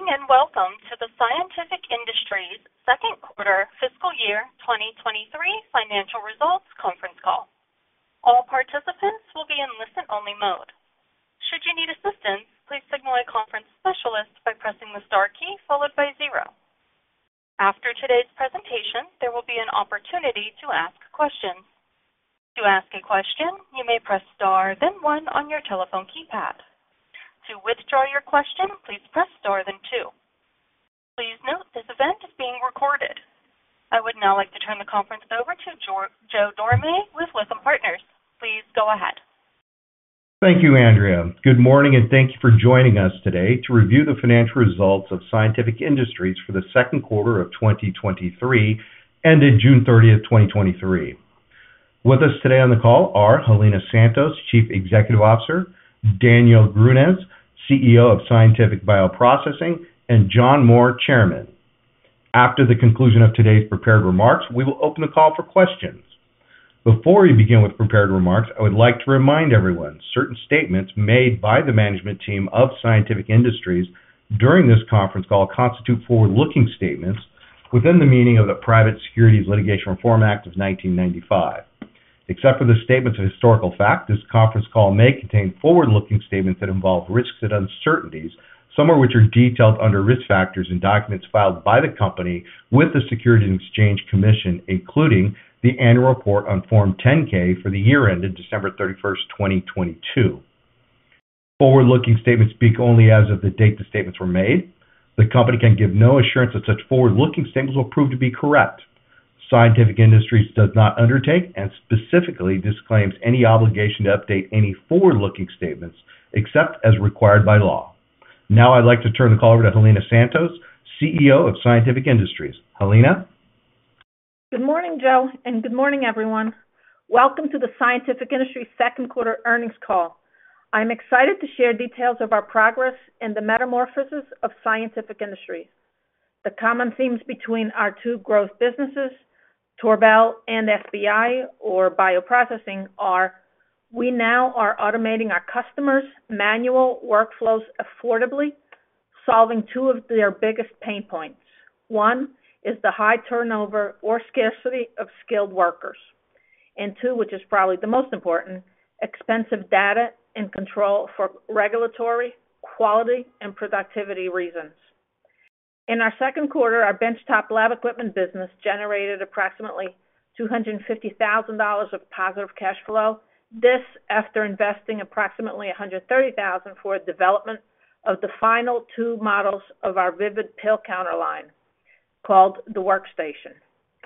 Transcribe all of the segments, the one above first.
Good morning. Welcome to the Scientific Industries Second Quarter Fiscal Year 2023 Financial Results Conference Call. All participants will be in listen-only mode. Should you need assistance, please signal a conference specialist by pressing the star key followed by 0. After today's presentation, there will be an opportunity to ask questions. To ask a question, you may press Star, then 1 on your telephone keypad. To withdraw your question, please press Star, then 2. Please note, this event is being recorded. I would now like to turn the conference over to Joe Dorame with Lytham Partners. Please go ahead. Thank you, Andrea. Good morning, and thank you for joining us today to review the financial results of Scientific Industries for the 2nd quarter of 2023, ended June 30, 2023. With us today on the call are Helena Santos, Chief Executive Officer, Daniel Grunes, Chief Executive Officer of Scientific Bioprocessing, and John Moore, Chairman. After the conclusion of today's prepared remarks, we will open the call for questions. Before we begin with prepared remarks, I would like to remind everyone, certain statements made by the management team of Scientific Industries during this conference call constitute forward-looking statements within the meaning of the Private Securities Litigation Reform Act of 1995. Except for the statements of historical fact, this conference call may contain forward-looking statements that involve risks and uncertainties, some of which are detailed under risk factors and documents filed by the company with the Securities and Exchange Commission, including the annual report on Form 10-K for the year ended December 31st, 2022. Forward-looking statements speak only as of the date the statements were made. The company can give no assurance that such forward-looking statements will prove to be correct. Scientific Industries does not undertake and specifically disclaims any obligation to update any forward-looking statements, except as required by law. Now I'd like to turn the call over to Helena Santos, Chief Executive Officer of Scientific Industries. Helena? Good morning, Joe, and good morning, everyone. Welcome to the Scientific Industries Second Quarter Earnings Call. I'm excited to share details of our progress in the metamorphosis of Scientific Industries. The common themes between our two growth businesses, Torbal and SBI, or bioprocessing, are we now are automating our customers' manual workflows affordably, solving two of their biggest pain points. One, is the high turnover or scarcity of skilled workers, two, which is probably the most important, expensive data and control for regulatory, quality, and productivity reasons. In our second quarter, our benchtop lab equipment business generated approximately $250,000 of positive cash flow. This after investing approximately $130,000 for the development of the final two models of our VIVID pill counter line, called the Workstation.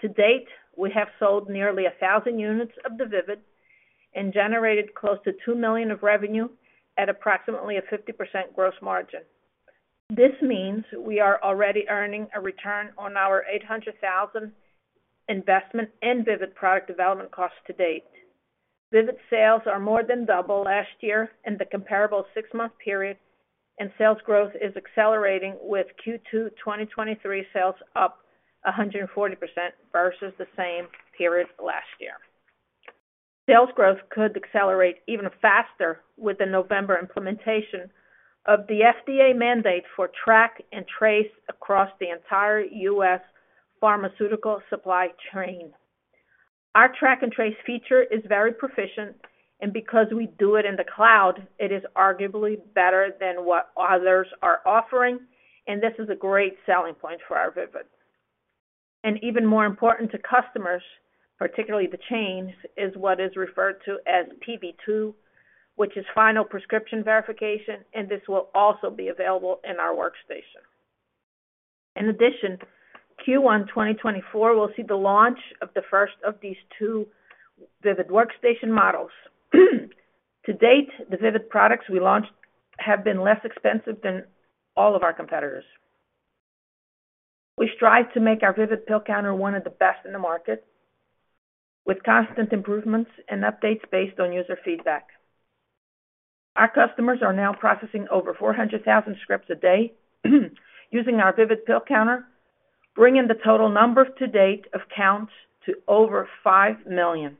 To date, we have sold nearly 1,000 units of the VIVID and generated close to $2 million of revenue at approximately a 50% gross margin. This means we are already earning a return on our $800,000 investment in VIVID product development costs to date. VIVID sales are more than double last year in the comparable six-month period, and sales growth is accelerating, with Q2 2023 sales up 140% versus the same period last year. Sales growth could accelerate even faster with the November implementation of the FDA mandate for track-and-trace across the entire U.S. pharmaceutical supply chain. Our track-and-trace feature is very proficient, and because we do it in the cloud, it is arguably better than what others are offering, and this is a great selling point for our VIVID. Even more important to customers, particularly the chains, is what is referred to as PV2, which is final prescription verification, and this will also be available in our Workstation. In addition, Q1 2024 will see the launch of the first of these two VIVID Workstation models. To date, the VIVID products we launched have been less expensive than all of our competitors. We strive to make our VIVID pill counter one of the best in the market, with constant improvements and updates based on user feedback. Our customers are now processing over 400,000 scripts a day, using our VIVID pill counter, bringing the total number to date of counts to over 5 million,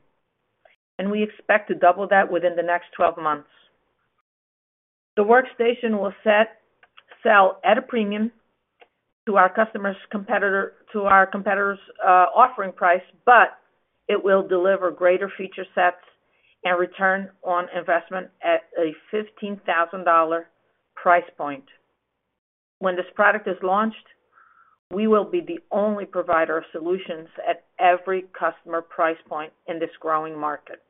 and we expect to double that within the next 12 months. The Workstation will sell at a premium to our competitors' offering price, but it will deliver greater feature sets and ROI at a $15,000 price point. When this product is launched, we will be the only provider of solutions at every customer price point in this growing market.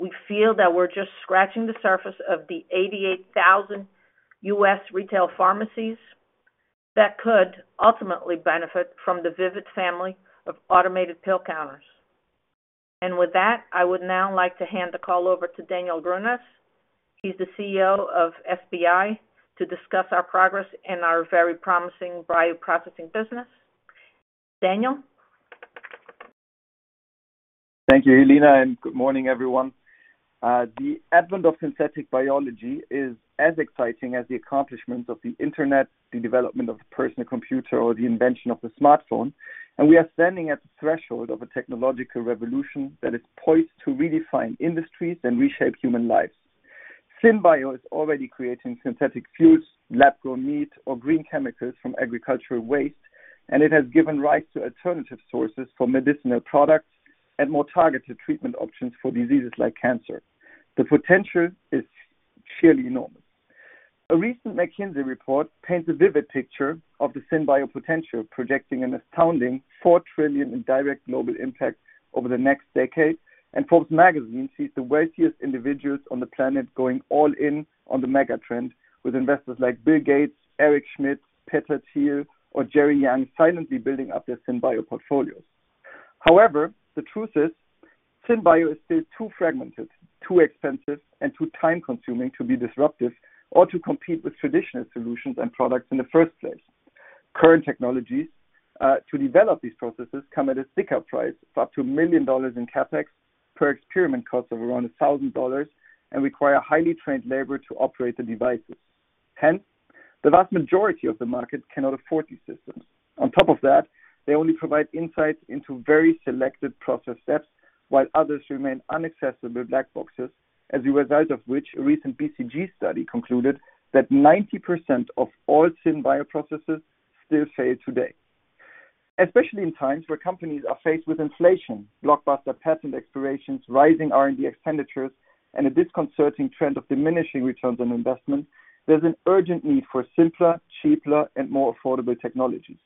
We feel that we're just scratching the surface of the 88,000 U.S. retail pharmacies that could ultimately benefit from the VIVID family of automated pill counters. With that, I would now like to hand the call over to Daniel Grunes. He's the Chief Executive Officer of SBI, to discuss our progress in our very promising bioprocessing business. Daniel? Thank you, Helena, and good morning, everyone. The advent of synthetic biology is as exciting as the accomplishments of the Internet, the development of the personal computer, or the invention of the smartphone. We are standing at the threshold of a technological revolution that is poised to redefine industries and reshape human lives. SynBio is already creating synthetic fuels, lab-grown meat, or green chemicals from agricultural waste, and it has given rise to alternative sources for medicinal products and more targeted treatment options for diseases like cancer. The potential is sheerly enormous. A recent McKinsey report paints a vivid picture of the SynBio potential, projecting an astounding $4 trillion in direct global impact over the next decade, and Forbes Magazine sees the wealthiest individuals on the planet going all in on the mega trend, with investors like Bill Gates, Eric Schmidt, Peter Thiel, or Jerry Yang silently building up their SynBio portfolios. However, the truth is, SynBio is still too fragmented, too expensive, and too time-consuming to be disruptive or to compete with traditional solutions and products in the first place. Current technologies to develop these processes come at a thicker price of up to $1 million in CapEx, per experiment costs of around $1,000, and require highly trained labor to operate the devices. Hence, the vast majority of the market cannot afford these systems. On top of that, they only provide insights into very selected process steps, while others remain unaccessible black boxes, as a result of which, a recent BCG study concluded that 90% of all SynBio processes still fail today. Especially in times where companies are faced with inflation, blockbuster patent expirations, rising R&D expenditures, and a disconcerting trend of diminishing returns on investment, there's an urgent need for simpler, cheaper, and more affordable technologies.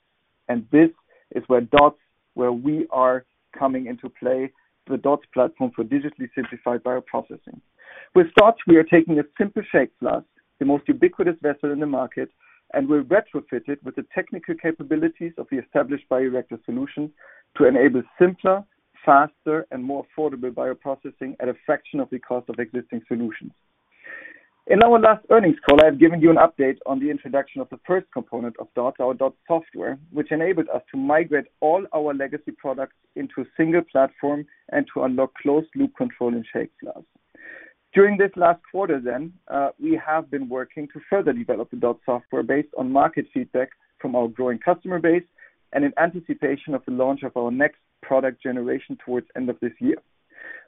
This is where DOTS, where we are coming into play, the DOTS platform for digitally simplified bioprocessing. With DOTS, we are taking a simple shake flask, the most ubiquitous vessel in the market, and we've retrofitted with the technical capabilities of the established bioreactor solution to enable simpler, faster, and more affordable bioprocessing at a fraction of the cost of existing solutions. In our last earnings call, I have given you an update on the introduction of the first component of DOT, our DOT Software, which enabled us to migrate all our legacy products into a single platform and to unlock closed loop control and shake flask. During this last quarter, we have been working to further develop the DOT Software based on market feedback from our growing customer base and in anticipation of the launch of our next product generation towards end of this year.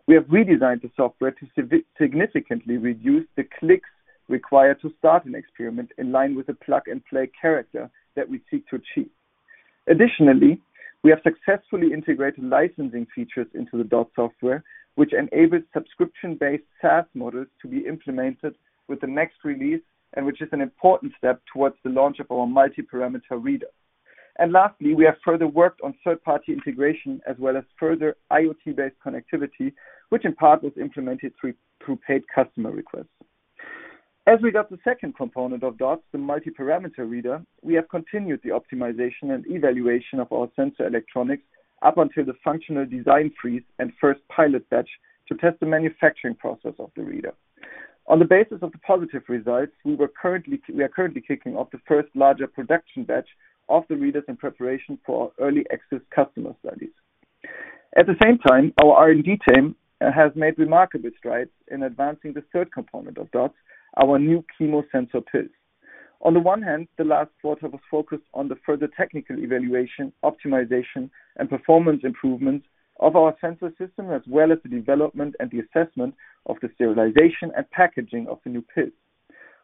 We have redesigned the software to significantly reduce the clicks required to start an experiment in line with the plug-and-play character that we seek to achieve. Additionally, we have successfully integrated licensing features into the DOT Software, which enables subscription-based SaaS models to be implemented with the next release, which is an important step towards the launch of our multiparameter reader. Lastly, we have further worked on third-party integration, as well as further IoT-based connectivity, which in part was implemented through paid customer requests. As we got the second component of DOTS, the multiparameter reader, we have continued the optimization and evaluation of our sensor electronics up until the functional design freeze and first pilot batch to test the manufacturing process of the reader. On the basis of the positive results, we are currently kicking off the first larger production batch of the readers in preparation for early access customer studies. At the same time, our R&D team has made remarkable strides in advancing the third component of DOTS, our new chemosensor pill. On the one hand, the last quarter was focused on the further technical evaluation, optimization, and performance improvements of our sensor system, as well as the development and the assessment of the sterilization and packaging of the new pill.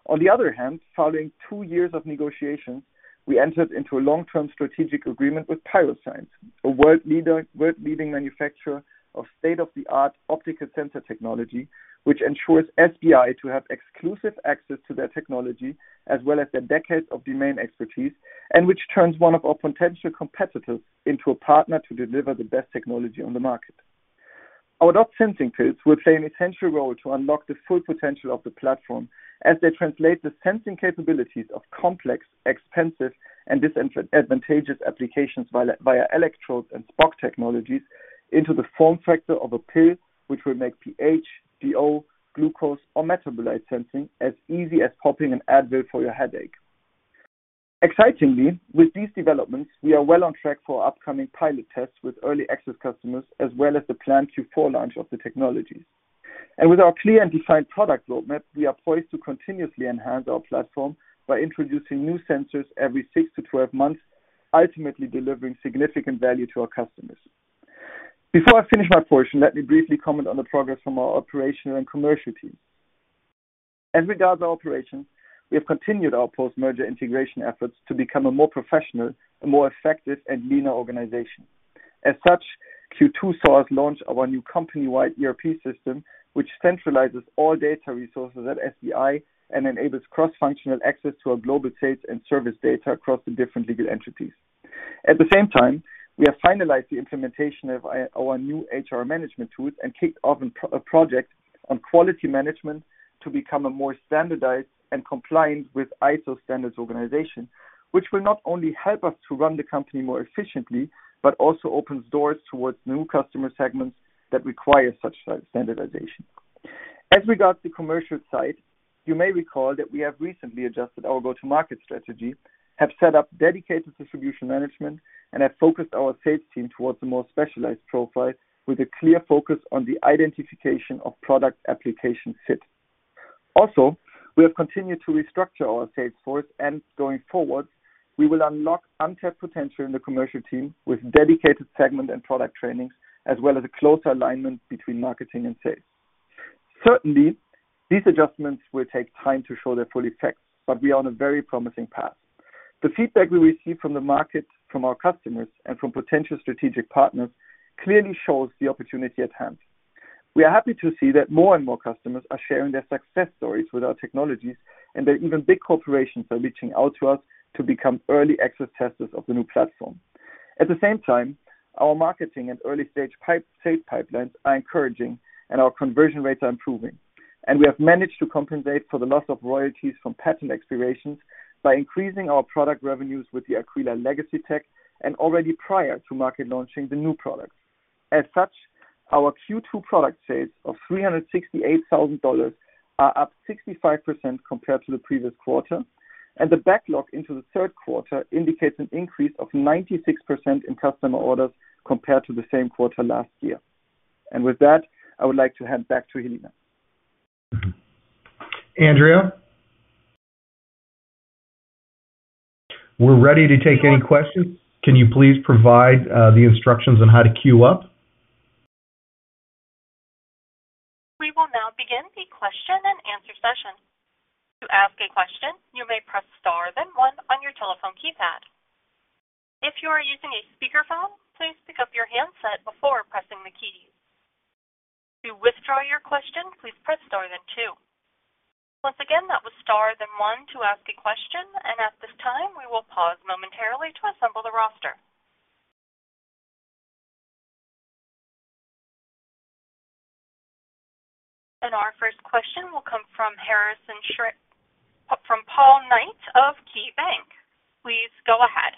On the other hand, following two years of negotiations, we entered into a long-term strategic agreement with Tyro Science, a world-leading manufacturer of state-of-the-art optical sensor technology, which ensures SBI to have exclusive access to their technology, as well as their decades of domain expertise, and which turns one of our potential competitors into a partner to deliver the best technology on the market. Our DOT sensing pills will play an essential role to unlock the full potential of the platform as they translate the sensing capabilities of complex, expensive, and disadvantageous applications via electrodes and SPOC technologies into the form factor of a pill, which will make pH, DO, glucose, or metabolite sensing as easy as popping an Advil for your headache. Excitingly, with these developments, we are well on track for upcoming pilot tests with early access customers, as well as the planned Q4 launch of the technologies. With our clear and defined product roadmap, we are poised to continuously enhance our platform by introducing new sensors every six to 12 months, ultimately delivering significant value to our customers. Before I finish my portion, let me briefly comment on the progress from our operational and commercial team. As regards our operations, we have continued our post-merger integration efforts to become a more professional and more effective and leaner organization. As such, Q2 saw us launch our new company-wide ERP system, which centralizes all data resources at SBI and enables cross-functional access to our global sales and service data across the different legal entities. At the same time, we have finalized the implementation of our new HR management tool and kicked off a project on quality management to become a more standardized and compliant with ISO Standards organization, which will not only help us to run the company more efficiently, but also opens doors towards new customer segments that require such standardization. As regards the commercial side, you may recall that we have recently adjusted our go-to-market strategy, have set up dedicated distribution management, and have focused our sales team towards a more specialized profile with a clear focus on the identification of product application fit. We have continued to restructure our sales force, and going forward, we will unlock untapped potential in the commercial team with dedicated segment and product trainings, as well as a closer alignment between marketing and sales. Certainly, these adjustments will take time to show their full effects, but we are on a very promising path. The feedback we receive from the market, from our customers, and from potential strategic partners, clearly shows the opportunity at hand. We are happy to see that more and more customers are sharing their success stories with our technologies, and that even big corporations are reaching out to us to become early access testers of the new platform. At the same time, our marketing and early-stage sales pipelines are encouraging, and our conversion rates are improving, and we have managed to compensate for the loss of royalties from patent expirations by increasing our product revenues with the Aquila legacy tech and already prior to market launching the new products. As such, our Q2 product sales of $368,000 are up 65% compared to the previous quarter. The backlog into the third quarter indicates an increase of 96% in customer orders compared to the same quarter last year. With that, I would like to hand back to Helena. Mm-hmm. Andrea? We're ready to take any questions. Can you please provide the instructions on how to queue up? We will now begin the question and answer session. To ask a question, you may press Star, then one on your telephone keypad. If you are using a speakerphone, please pick up your handset before pressing the key. To withdraw your question, please press Star then two. Once again, that was Star then one to ask a question, and at this time, we will pause momentarily to assemble the roster. Our first question will come from Harrison Shri- from Paul Knight of KeyBanc. Please go ahead.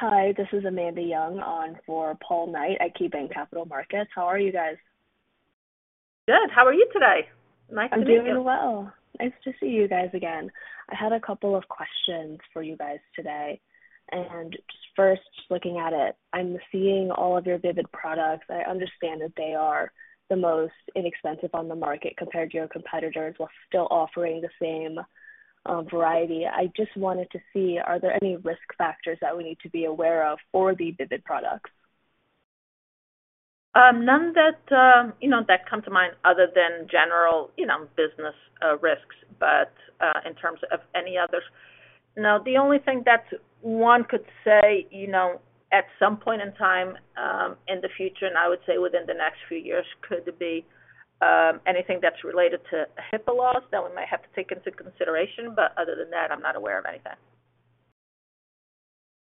Hi, this is Amanda Young on for Paul Knight at KeyBanc Capital Markets. How are you guys? Good. How are you today? Nice to meet you. I'm doing well. Nice to see you guys again. I had a couple of questions for you guys today, and just first, just looking at it, I'm seeing all of your VIVID products. I understand that they are the most inexpensive on the market compared to your competitors, while still offering the same variety. I just wanted to see, are there any risk factors that we need to be aware of for the VIVID products? None that, you know, that come to mind other than general, you know, business risks. In terms of any others, no. The only thing that one could say, you know, at some point in time, in the future, and I would say within the next few years, could be anything that's related to HIPAA laws that we might have to take into consideration. Other than that, I'm not aware of anything.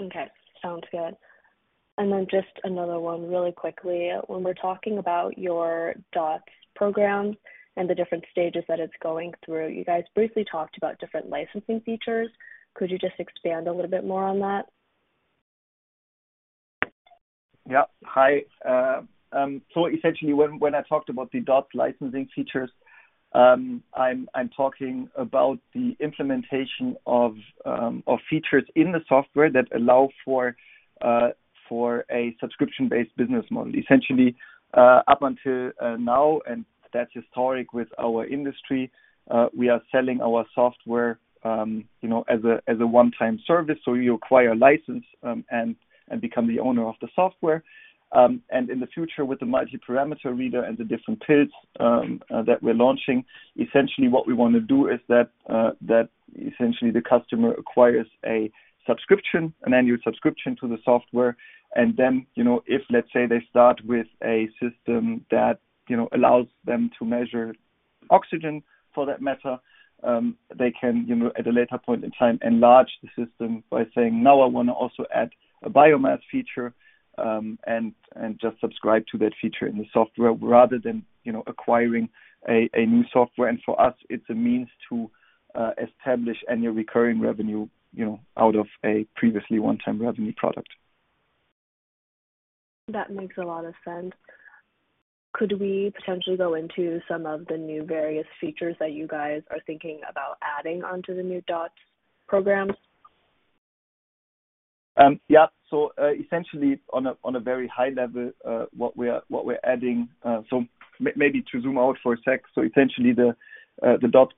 Okay, sounds good. Just another one really quickly. When we're talking about your DOTS programs and the different stages that it's going through, you guys briefly talked about different licensing features. Could you just expand a little bit more on that? Yeah. Hi. Essentially, when, when I talked about the DOT licensing features, I'm talking about the implementation of features in the software that allow for a subscription-based business model. Essentially, up until now, that's historic with our industry, we are selling our software, you know, as a one-time service. You acquire a license and become the owner of the software. In the future, with the multiparameter reader and the different pills that we're launching, essentially what we want to do is that essentially the customer acquires a subscription, an annual subscription to the software. Then, you know, if, let's say, they start with a system that, you know, allows them to measure oxygen for that matter, they can, you know, at a later point in time, enlarge the system by saying, "Now, I want to also add a biomass feature," and, and just subscribe to that feature in the software rather than, you know, acquiring a, a new software. For us, it's a means to establish annual recurring revenue, you know, out of a previously one-time revenue product. That makes a lot of sense. Could we potentially go into some of the new various features that you guys are thinking about adding onto the new DOTS programs? Yeah, essentially, on a, on a very high level, what we are, what we're adding... Maybe to zoom out for a sec. Essentially the DOT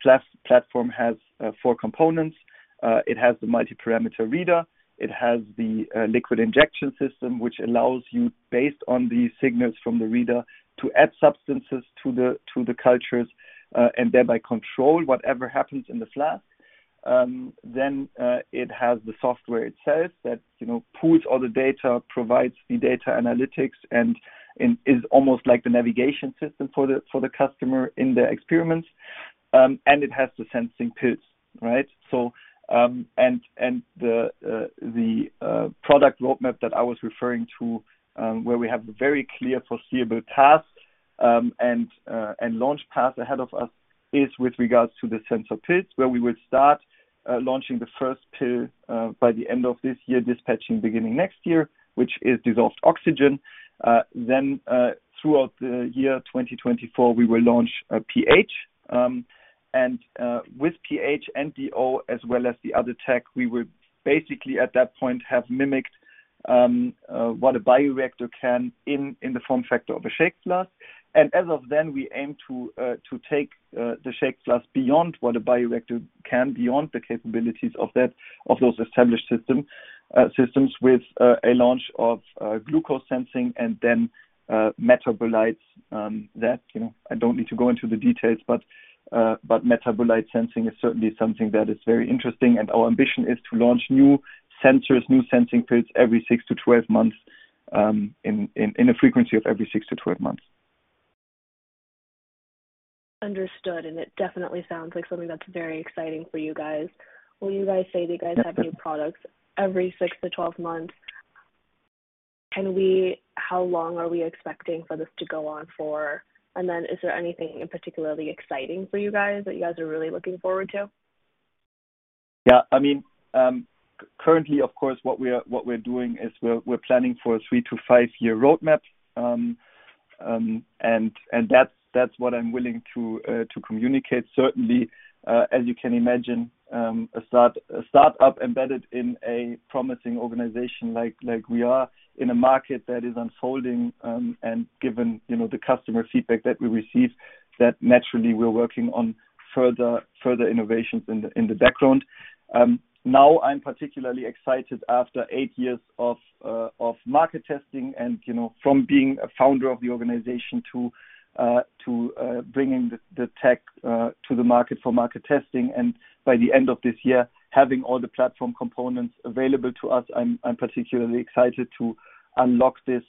platform has four components. It has the multiparameter reader. It has the liquid injection system, which allows you, based on the signals from the reader, to add substances to the cultures, and thereby control whatever happens in the flask. Then, it has the software itself that, you know, pulls all the data, provides the data analytics, and is almost like the navigation system for the customer in their experiments. And it has the sensing pills, right? And the product roadmap that I was referring to, where we have very clear, foreseeable tasks, and launch path ahead of us, is with regards to the sensor pills, where we will start launching the first pill by the end of this year, dispatching beginning next year, which is dissolved oxygen. Then throughout the year 2024, we will launch pH, and with pH and DO, as well as the other tech, we will basically, at that point, have mimicked what a bioreactor can in, in the form factor of a shake flask. As of then, we aim to to take the shake flask beyond what a bioreactor can, beyond the capabilities of those established systems with a launch of glucose sensing and then metabolites, that, you know, I don't need to go into the details, but but metabolite sensing is certainly something that is very interesting. Our ambition is to launch new sensors, new sensing kits every six-12 months, in a frequency of every six-12 months. Understood, it definitely sounds like something that's very exciting for you guys. Well, you guys say that you guys have new products every 6-12 months. How long are we expecting for this to go on for? Is there anything particularly exciting for you guys, that you guys are really looking forward to? Yeah, I mean, currently, of course, what we are, what we're doing is we're planning for a three to five-year roadmap. That's what I'm willing to communicate. Certainly, as you can imagine, a start-up embedded in a promising organization like, like we are, in a market that is unfolding, given, you know, the customer feedback that we receive, that naturally we're working on further, further innovations in the, in the background. Now, I'm particularly excited after eight years of market testing and, you know, from being a founder of the organization to, to bringing the, the tech to the market for market testing, and by the end of this year, having all the platform components available to us, I'm, I'm particularly excited to unlock this,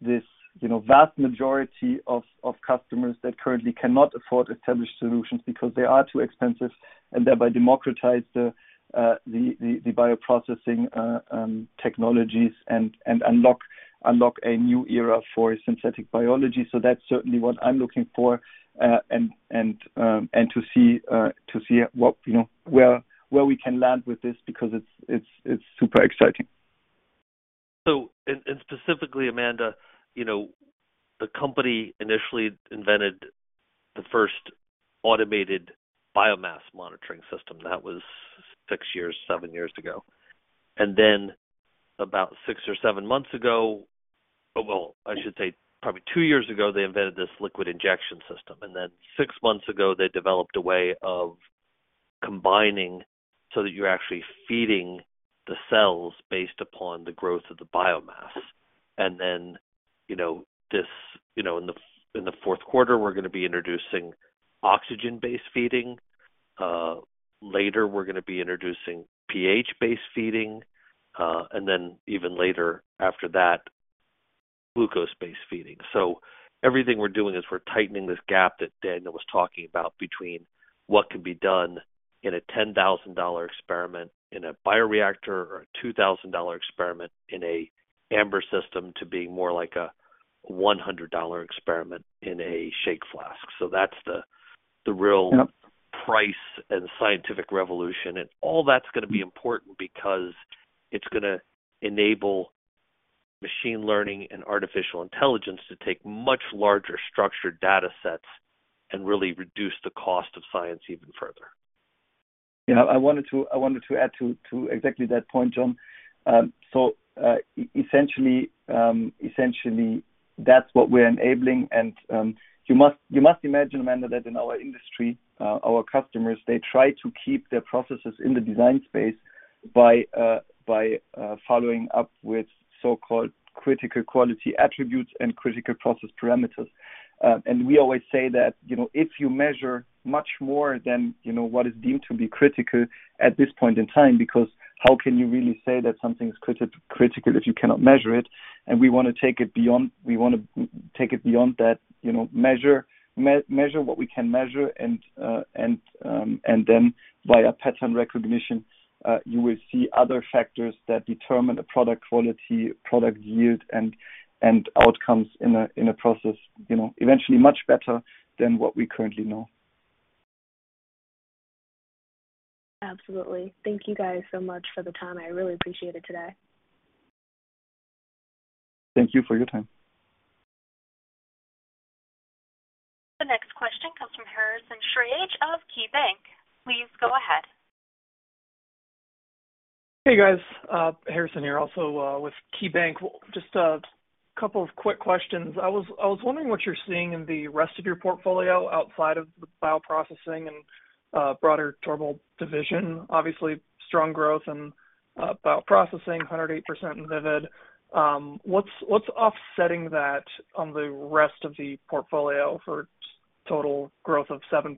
this, you know, vast majority of, of customers that currently cannot afford established solutions because they are too expensive, and thereby democratize the, the, the, the bioprocessing technologies and, and unlock, unlock a new era for synthetic biology. So that's certainly what I'm looking for, and, and to see, to see what, you know, where, where we can land with this because it's, it's, it's super exciting. And specifically, Amanda, you know, the company initially invented the first automated biomass monitoring system. That was six years, seven years ago. About six or seven months ago, well, I should say probably two years ago, they invented this liquid injection system, and then six months ago, they developed a way of combining so that you're actually feeding the cells based upon the growth of the biomass. You know, this, you know, in the fourth quarter, we're going to be introducing oxygen-based feeding. Later, we're going to be introducing pH-based feeding, and then even later after that, glucose-based feeding. Everything we're doing is we're tightening this gap that Daniel was talking about between what can be done in a $10,000 experiment in a bioreactor, or a $2,000 experiment in a Ambr system, to being more like a $100 experiment in a shake flask. That's the, the real- Yep. -price and scientific revolution. All that's going to be important because it's going to enable machine learning and artificial intelligence to take much larger structured data sets and really reduce the cost of science even further. Yeah, I wanted to, I wanted to add to, to exactly that point, John. E- essentially, essentially, that's what we're enabling. You must, you must imagine, Amanda, that in our industry, our customers, they try to keep their processes in the design space by, by, following up with so-called critical quality attributes and critical process parameters. We always say that, you know, if you measure much more than, you know, what is deemed to be critical at this point in time, because how can you really say that something is criti-critical if you cannot measure it? We want to take it beyond, we want to take it beyond that, you know, measure, measure what we can measure, and, and then via pattern recognition, you will see other factors that determine the product quality, product yield, and, and outcomes in a, in a process, you know, eventually much better than what we currently know. Absolutely. Thank you guys so much for the time. I really appreciate it today. Thank you for your time. The next question comes from Harrison Schrage of KeyBanc. Please go ahead. Hey, guys, Harrison here, also, with KeyBanc. Just a couple of quick questions. I was, I was wondering what you're seeing in the rest of your portfolio outside of the bioprocessing and broader Torbal division. Obviously, strong growth and bioprocessing, 108% in VIVID. What's, what's offsetting that on the rest of the portfolio for total growth of 7%?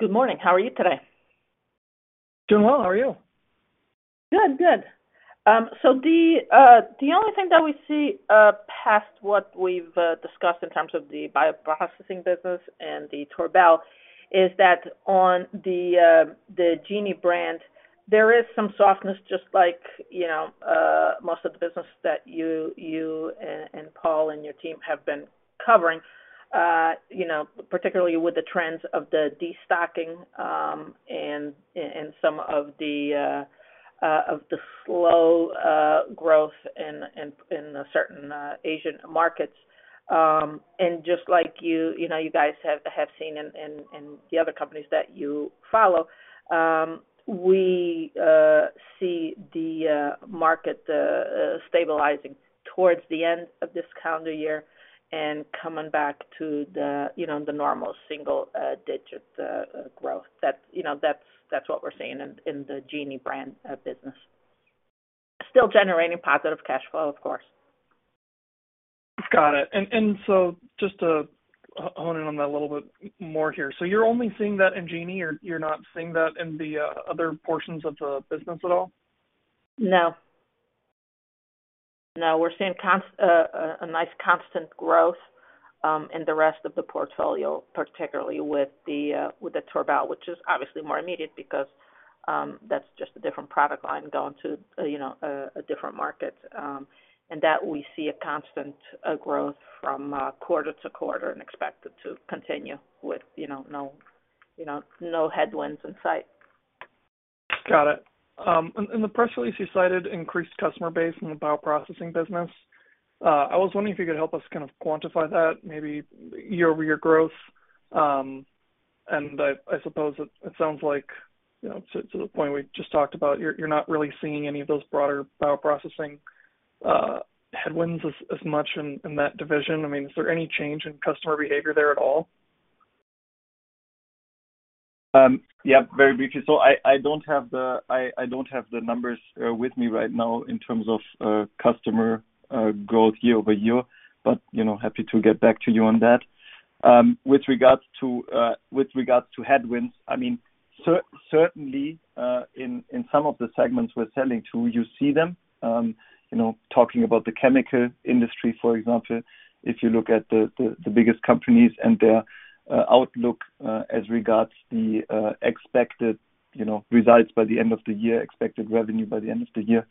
Good morning. How are you today? Doing well. How are you? Good. Good. So the, the only thing that we see, past what we've discussed in terms of the bioprocessing business and the Torbal, is that on the, the Vortex-Genie brand, there is some softness, just like, you know, most of the business that you, you and, and Paul and your team have been covering. You know, particularly with the trends of the destocking, and some of the, of the slow, growth in, in, in the certain, Asian markets. Just like you, you know, you guys have, have seen in, in, in the other companies that you follow, we see the market stabilizing towards the end of this calendar year and coming back to the, you know, the normal single-digit growth. That's, you know, that's, that's what we're seeing in, in the Vortex-Genie brand, business. Still generating positive cash flow, of course. Got it. Just to hone in on that a little bit more here. You're only seeing that in Vortex-Genie, or you're not seeing that in the other portions of the business at all? No. No, we're seeing cons- a, a nice constant growth, in the rest of the portfolio, particularly with the, with the Torbal, which is obviously more immediate because, that's just a different product line going to, you know, a, a different market. That we see a constant, growth from, quarter to quarter and expect it to continue with, you know, no, you know, no headwinds in sight. Got it. In, in the press release, you cited increased customer base in the bioprocessing business. I was wondering if you could help us kind of quantify that, maybe year-over-year growth. And I, I suppose it, it sounds like, you know, to, to the point we just talked about, you're, you're not really seeing any of those broader bioprocessing, headwinds as, as much in, in that division. I mean, is there any change in customer behavior there at all? Yeah, very briefly. I, I don't have the, I, I don't have the numbers with me right now in terms of customer growth year-over-year, but, you know, happy to get back to you on that. With regards to, with regards to headwinds, I mean, certainly in, in some of the segments we're selling to, you see them. You know, talking about the chemical industry, for example, if you look at the, the, the biggest companies and their outlook as regards the expected, you know, results by the end of the year, expected revenue by the end of the year,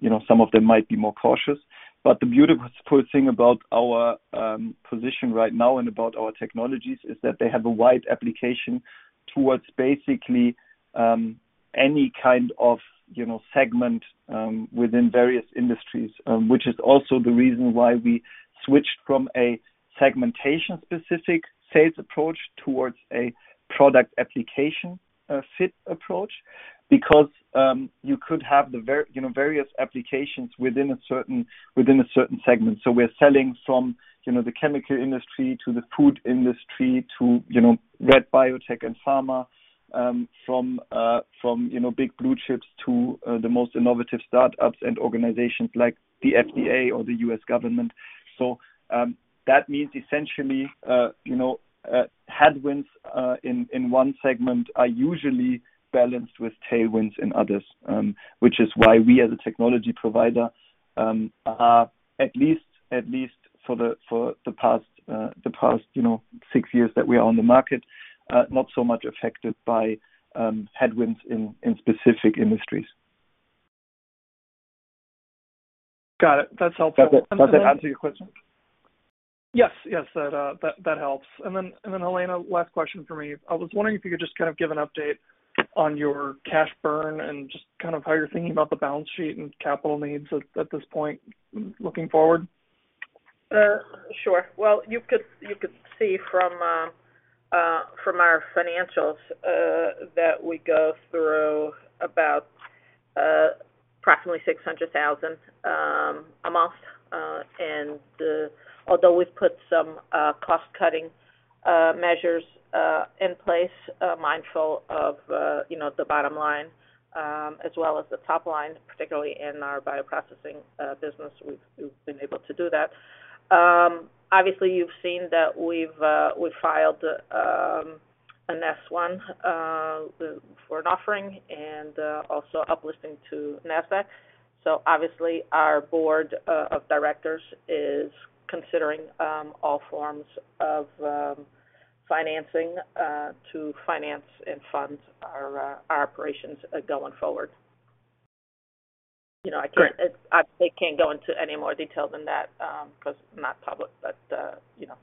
you know, some of them might be more cautious. The beautiful thing about our position right now and about our technologies is that they have a wide application towards basically any kind of, you know, segment within various industries. Which is also the reason why we switched from a segmentation specific sales approach towards a product application fit approach. Because, you could have the, you know, various applications within a certain, within a certain segment. We're selling from, you know, the chemical industry to the food industry, to, you know, wet biotech and pharma, from, you know, big blue chips to the most innovative startups and organizations like the FDA or the U.S. government. That means essentially, you know, headwinds in one segment are usually balanced with tailwinds in others. Which is why we as a technology provider, are at least, at least for the, for the past, the past, you know, six years that we are on the market, not so much affected by headwinds in specific industries. Got it. That's helpful. Does that answer your question? Yes. Yes, that, that helps. Then, and then, Helena, last question for me. I was wondering if you could just kind of give an update on your cash burn and just kind of how you're thinking about the balance sheet and capital needs at, at this point looking forward. Sure. Well, you could, you could see from our financials that we go through about approximately $600,000 a month. And although we've put some cost-cutting measures in place, mindful of, you know, the bottom line, as well as the top line, particularly in our bioprocessing business, we've, we've been able to do that. Obviously, you've seen that we've, we've filed an S-1 for an offering and also up listing to Nasdaq. So obviously, our board of directors is considering all forms of financing to finance and fund our operations going forward. You know, I can't- Great. I, I can't go into any more detail than that, 'cause we're not public. You know,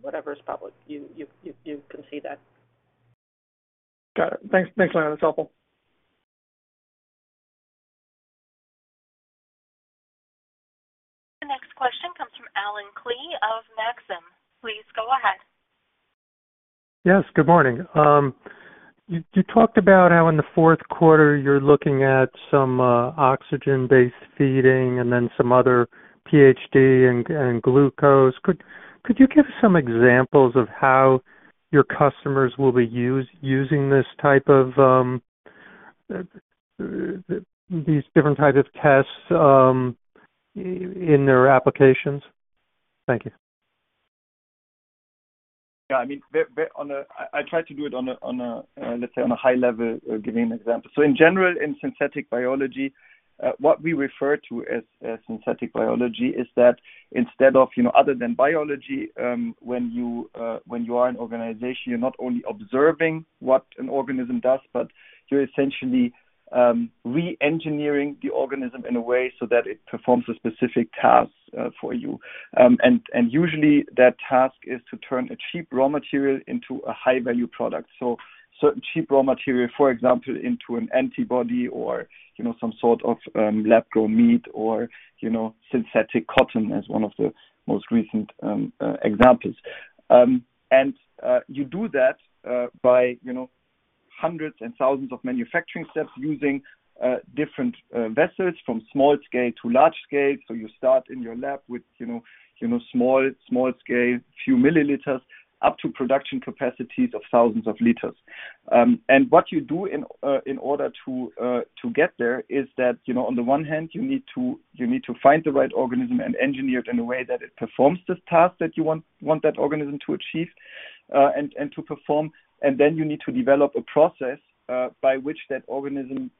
whatever is public, you, you, you, you can see that. Got it. Thanks. Thanks, Helena. That's helpful. The next question comes from Allen Klee of Maxim. Please go ahead. Yes, good morning. You talked about how in the fourth quarter you're looking at some oxygen-based feeding and then some other pH and glucose. Could you give some examples of how your customers will be using this type of these different type of tests in their applications? Thank you. Yeah, I mean, I try to do it on a, let's say, on a high level, giving an example. In general, in synthetic biology, what we refer to as, as synthetic biology is that instead of, you know, other than biology, when you, when you are an organization, you're not only observing what an organism does, but you're essentially, re-engineering the organism in a way so that it performs a specific task for you. And, and usually that task is to turn a cheap raw material into a high-value product. Certain cheap raw material, for example, into an antibody or, you know, some sort of, lab-grown meat or, you know, synthetic cotton as one of the most recent examples. You do that, by, you know, hundreds and thousands of manufacturing steps using, different, vessels from small scale to large scale. You start in your lab with, you know, you know, small, small scale, few milliliters, up to production capacities of thousands of liters. What you do in, in order to, to get there is that, you know, on the one hand, you need to, you need to find the right organism and engineer it in a way that it performs this task that you want, want that organism to achieve, and, to perform. Then you need to develop a process, by which that organism,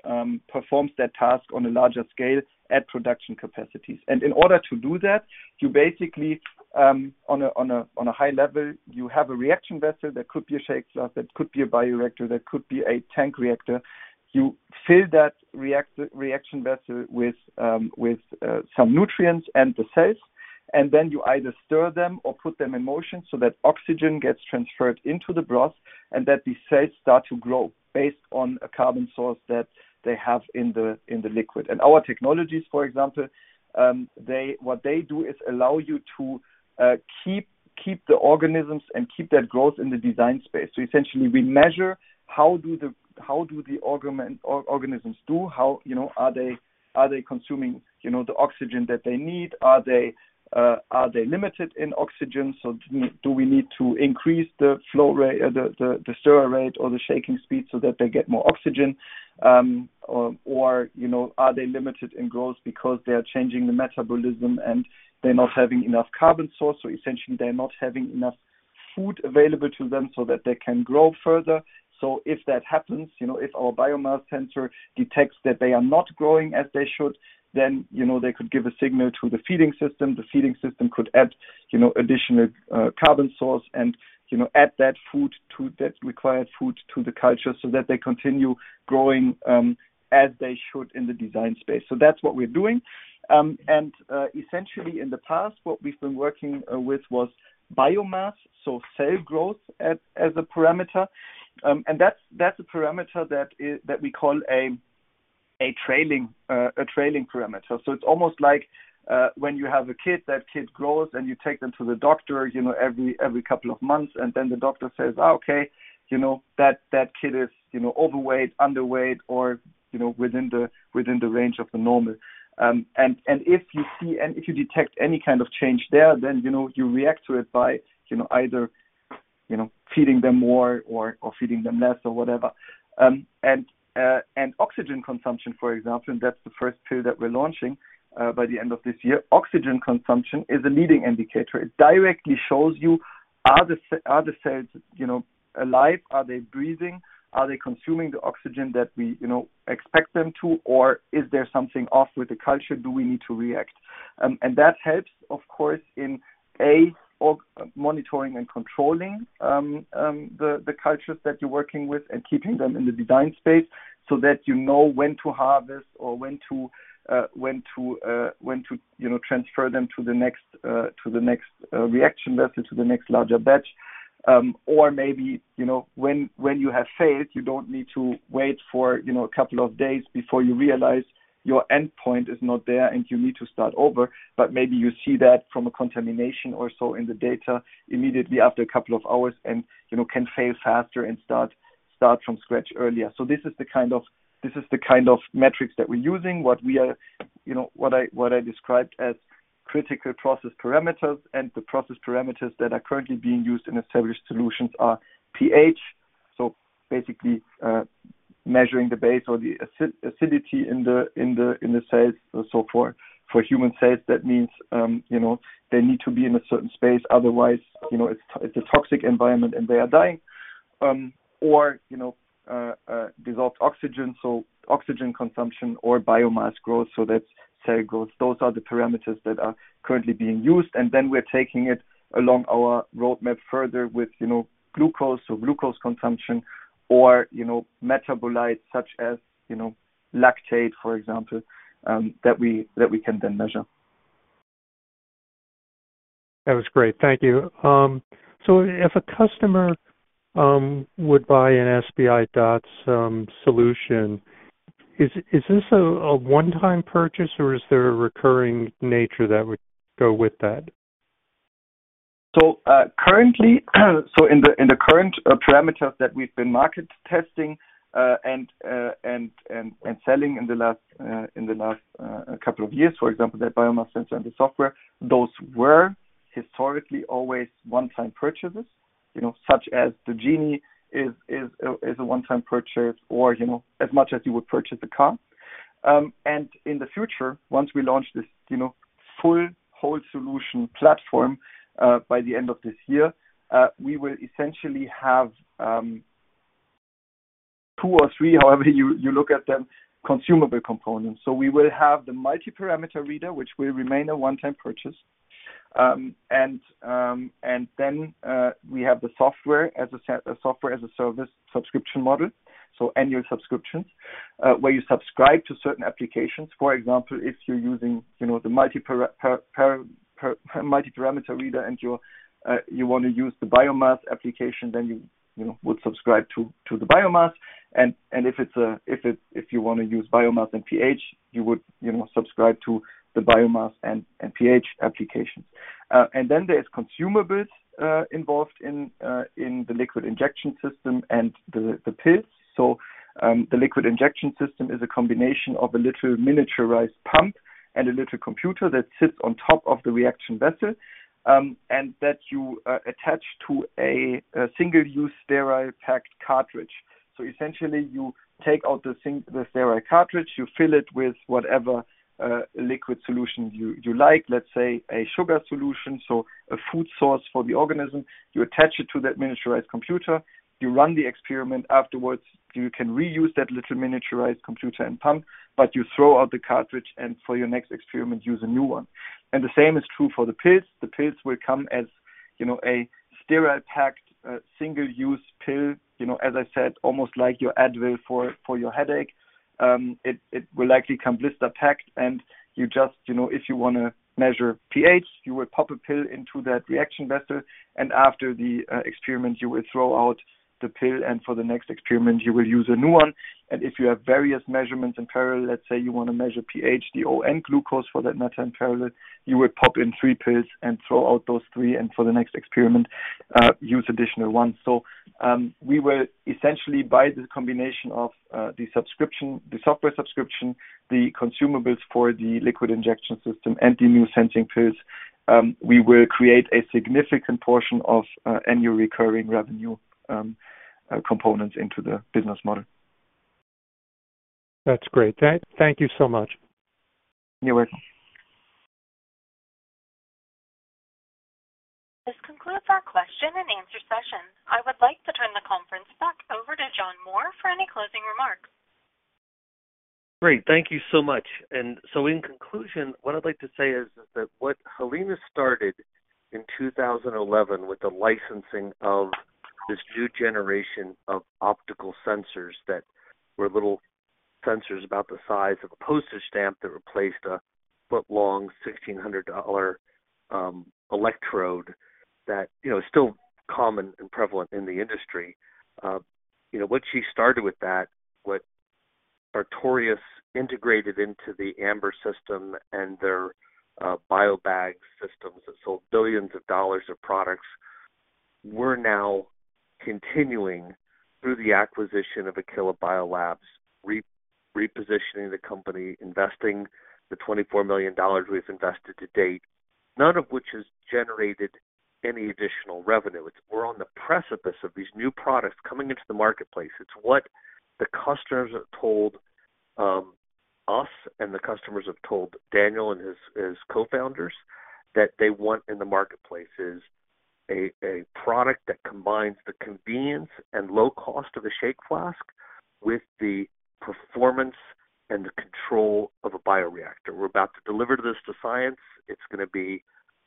performs that task on a larger scale at production capacities. In order to do that, you basically, on a high level, you have a reaction vessel. That could be a shake flask, that could be a bioreactor, that could be a tank reactor. You fill that reaction vessel with some nutrients and the cells, and then you either stir them or put them in motion so that oxygen gets transferred into the broth and that these cells start to grow based on a carbon source that they have in the liquid. Our technologies, for example, what they do is allow you to keep, keep the organisms and keep that growth in the design space. Essentially, we measure how do the, how do the organisms do? How, you know, are they, are they consuming, you know, the oxygen that they need? Are they limited in oxygen? Do we, do we need to increase the flow rate, the, the, the stir rate or the shaking speed so that they get more oxygen? Or, you know, are they limited in growth because they are changing the metabolism and they're not having enough carbon source, so essentially they're not having enough food available to them so that they can grow further. If that happens, you know, if our biomass sensor detects that they are not growing as they should, then, you know, they could give a signal to the feeding system. The feeding system could add, you know, additional carbon source and, you know, add that required food to the culture so that they continue growing as they should in the design space. That's what we're doing. Essentially, in the past, what we've been working with was biomass, so cell growth as, as a parameter. That's, that's a parameter that we call a, a trailing, a trailing parameter. It's almost like, when you have a kid, that kid grows, and you take them to the doctor, you know, every, every couple of months, and then the doctor says, "Oh, okay, you know, that, that kid is, you know, overweight, underweight, or, you know, within the, within the range of the normal." If you see, and if you detect any kind of change there, then, you know, you react to it by, you know, either, you know, feeding them more or, or feeding them less or whatever. Oxygen consumption, for example, and that's the first two that we're launching by the end of this year. Oxygen consumption is a leading indicator. It directly shows you, are the cells, you know, alive? Are they breathing? Are they consuming the oxygen that we, you know, expect them to, or is there something off with the culture? Do we need to react? That helps, of course, in A, monitoring and controlling the cultures that you're working with and keeping them in the design space so that you know when to harvest or when to, you know, transfer them to the next, to the next reaction vessel, to the next larger batch. Maybe, you know, when, when you have failed, you don't need to wait for, you know, a couple of days before you realize your endpoint is not there, and you need to start over. Maybe you see that from a contamination or so in the data immediately after a couple of hours and, you know, can fail faster and start, start from scratch earlier. This is the kind of, this is the kind of metrics that we're using, you know, what I, what I described as critical process parameters. The process parameters that are currently being used in established solutions are pH. Basically, measuring the base or the acid, acidity in the, in the, in the cells and so forth. For human cells, that means, you know, they need to be in a certain space, otherwise, you know, it's, it's a toxic environment, and they are dying. You know, dissolved oxygen, so oxygen consumption or biomass growth, so that's cell growth. Those are the parameters that are currently being used, and then we're taking it along our roadmap further with, you know, glucose, so glucose consumption, or, you know, metabolites such as, you know, lactate, for example, that we, that we can then measure. That was great. Thank you. If a customer would buy an SBI DOTS solution, is this a one-time purchase, or is there a recurring nature that would go with that? Currently, in the current parameters that we've been market testing, and selling in the last couple of years, for example, that biomass sensor and the software, those were historically always one-time purchases. You know, such as the Vortex-Genie is a one-time purchase or, you know, as much as you would purchase a car. In the future, once we launch this, you know, full whole solution platform, by the end of this year, we will essentially have two or three, however, you look at them, consumable components. We will have the multiparameter reader, which will remain a one-time purchase. Then we have the software as a service subscription model. Annual subscriptions where you subscribe to certain applications. For example, if you're using, you know, the multiparameter reader, and you're, you want to use the biomass application, you know, would subscribe to the biomass. If you want to use biomass and pH, you would, you know, subscribe to the biomass and pH applications. Then there's consumables involved in the liquid injection system and the pills. The liquid injection system is a combination of a little miniaturized pump and a little computer that sits on top of the reaction vessel, and that you attach to a single-use sterile packed cartridge. Essentially, you take out the sing, the sterile cartridge, you fill it with whatever, liquid solution you, you like, let's say, a sugar solution, so a food source for the organism. You attach it to that miniaturized computer, you run the experiment. Afterwards, you can reuse that little miniaturized computer and pump, but you throw out the cartridge, and for your next experiment, use a new one. The same is true for the pills. The pills will come as, you know, a sterile packed, single-use pill. You know, as I said, almost like your Advil for, for your headache. It will likely come blister packed, and you just, you know, if you wanna measure pH, you will pop a pill into that reaction vessel, and after the experiment, you will throw out the pill, and for the next experiment, you will use a new one. If you have various measurements in parallel, let's say you wanna measure pH, DO, and glucose for that matter in parallel, you will pop in three pills and throw out those three, and for the next experiment, use additional ones. We will essentially, by this combination of the subscription, the software subscription, the consumables for the liquid injection system, and the new sensing pills, we will create a significant portion of annual recurring revenue components into the business model. That's great. Thank, thank you so much. You're welcome. This concludes our question and answer session. I would like to turn the conference back over to John Moore for any closing remarks. Great, thank you so much. In conclusion, what I'd like to say is that what Helena started in 2011 with the licensing of this new generation of optical sensors, that were little sensors about the size of a postage stamp that replaced a foot-long $1,600 electrode that, you know, is still common and prevalent in the industry. You know, what she started with that, what Sartorius integrated into the Ambr system and their Biobag systems that sold billions of dollars of products, we're now continuing through the acquisition of Aquila BioLabs, re-repositioning the company, investing the $24 million we've invested to date, none of which has generated any additional revenue. It's. We're on the precipice of these new products coming into the marketplace. It's what the customers have told us, and the customers have told Daniel and his co-founders that they want in the marketplace, is a product that combines the convenience and low cost of a shake flask with the performance and the control of a bioreactor. We're about to deliver this to science. It's gonna be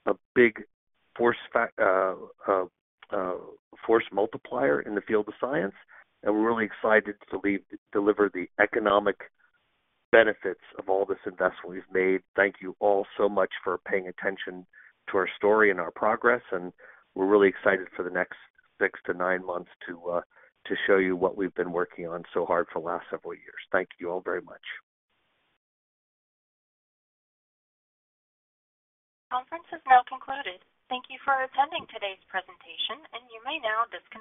a big force multiplier in the field of science, and we're really excited to deliver the economic benefits of all this investment we've made. Thank you all so much for paying attention to our story and our progress, and we're really excited for the next six to nine months to show you what we've been working on so hard for the last several years. Thank you all very much. Conference is now concluded. Thank you for attending today's presentation. You may now disconnect.